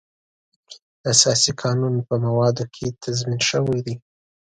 د اساسي قانون په موادو کې تضمین شوی دی.